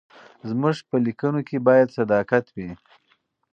زموږ په لیکنو کې باید صداقت وي.